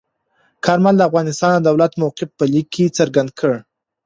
کارمل د افغانستان د دولت موقف په لیک کې څرګند کړ.